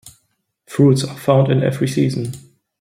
Fruits are found in every season.